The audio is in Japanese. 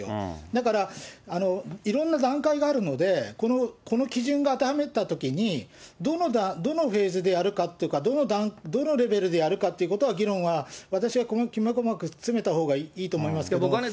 だから、いろんな段階があるので、この基準があてはめたときに、どのフェーズでやるかっていうか、どのレベルでやるかということは、議論は私はきめ細かく詰めたほうがいいと思いますけどもね。